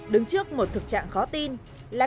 đứng trước một thực trạng nổi tiếng của hà nội